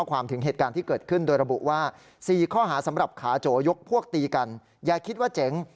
ว่า๔ข้อหาสำหรับขาโจยกพวกตีกันอย่าคิดว่าเจ๋ง